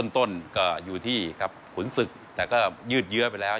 ต้นก็อยู่ที่ครับขุนศึกแต่ก็ยืดเยื้อไปแล้ว